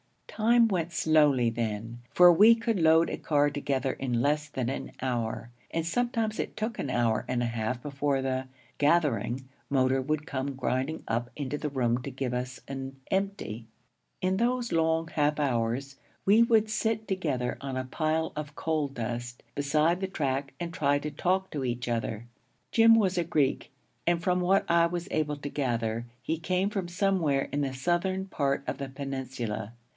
Time went slowly then, for we could load a car together in less than an hour; and sometimes it took an hour and a half before the 'gathering' motor would come grinding up into the room to give us an 'empty.' In those long half hours we would sit together on a pile of coal dust beside the track and try to talk to each other. Jim was a Greek, and from what I was able to gather, he came from somewhere in the southern part of the peninsula.